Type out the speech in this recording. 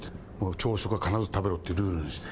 朝食は必ず食べろというルールにして。